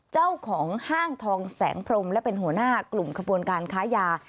เจ้าของห้างทองแสงพรมและเป็นหัวหน้ากลุ่มขบวนการค้ายา